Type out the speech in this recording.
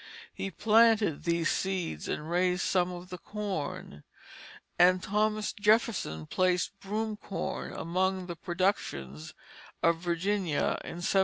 He planted these seeds and raised some of the corn; and Thomas Jefferson placed broom corn among the productions of Virginia in 1781.